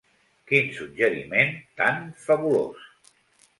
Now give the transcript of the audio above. Quin suggeriment tan fabulós!